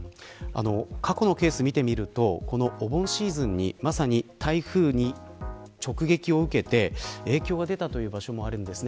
過去のケースを見てみるとお盆シーズンに、まさに台風に直撃を受けて影響が出たという場所もあります。